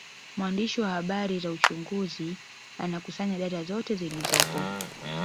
Mwandishi wa habari za uchunguzi anakusanya data zote zilizopo